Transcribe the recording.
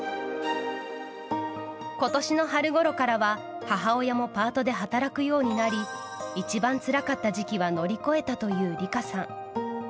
今年の春ごろからは母親もパートで働くようになり一番つらかった時期は乗り越えたというリカさん。